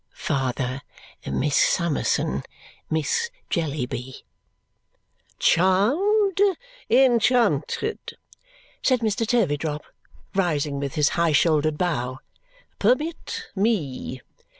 "Father, Miss Summerson; Miss Jellyby." "Charmed! Enchanted!" said Mr. Turveydrop, rising with his high shouldered bow. "Permit me!"